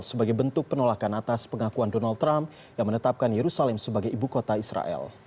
sebagai bentuk penolakan atas pengakuan donald trump yang menetapkan yerusalem sebagai ibu kota israel